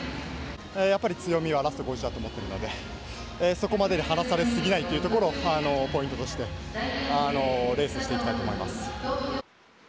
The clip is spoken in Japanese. やっぱり強みはラスト５０だと思っているのでそこまでで離されすぎないというところをポイントとしてレースをしていきたいと思います。